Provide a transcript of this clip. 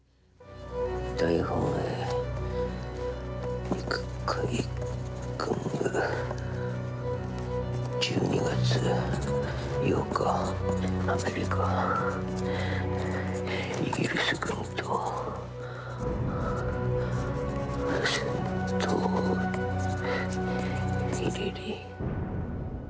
大本営陸海軍部、１２月８日、アメリカ、イギリス軍と、戦闘に入れり。